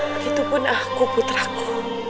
begitupun aku putraku